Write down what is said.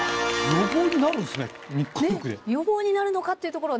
予防になるんすね